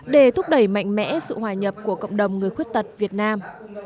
để thúc đẩy mạnh mẽ sự hòa nhập của cộng đồng người khuyết tật việt nam